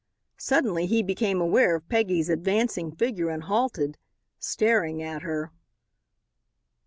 Suddenly he became aware of Peggy's advancing figure and halted, staring at her.